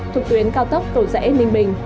thuộc tuyến cao tốc cầu dễ ninh bình